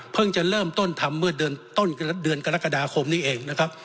จะเริ่มต้นทำเมื่อเดือนต้นเดือนกรกฎาคมนี้เองนะครับ